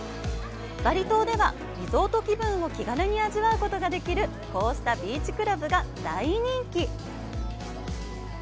バリ島では、リゾート気分を気軽に味わうことができるこうしたビーチクラブが大人気。